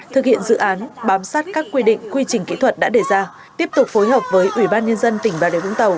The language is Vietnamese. thực hiện dự án bám sát các quy định quy trình kỹ thuật đã đề ra tiếp tục phối hợp với ủy ban nhân dân tỉnh bà đề vũng tàu